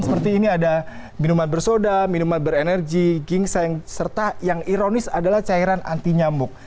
seperti ini ada minuman bersoda minuman berenergi gingseng serta yang ironis adalah cairan anti nyamuk